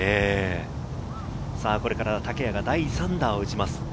これから竹谷が第３打を打ちます。